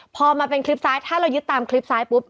พอมาเป็นคลิปซ้ายถ้าเรายึดตามคลิปซ้ายปุ๊บ